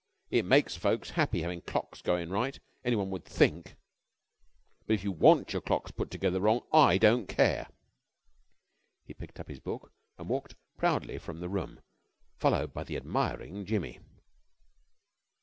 It makes folks happy havin' clocks goin' right, anyone would think. But if you want your clocks put together wrong, I don't care." He picked up his book and walked proudly from the room followed by the admiring Jimmy.